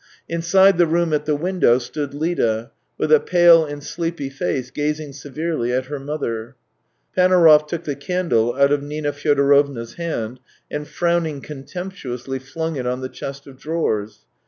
Inside the room at the window stood Lida, with a pale and sleepy face, gazing severely at her mother. Panaurov took the candle out of Nina Fyo dorovna's hand, and, frowning contemptuously, flung it on the chest of drawers.